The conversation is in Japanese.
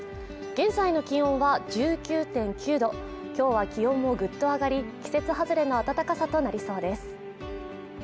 現在の気温は１９．９度今日は気温もぐっと上がり季節外れの暖かさとなりそうです